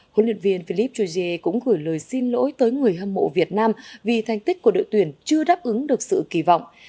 huấn luyện viên philippe jouzier cũng gửi lời xin lỗi tới người hâm mộ việt nam vì thành tích của đội tuyển chưa đáp ứng được sự kỳ vọng